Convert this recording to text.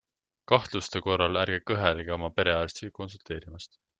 Kahtluste korral ärge kõhelge oma perearstiga konsulteerimast.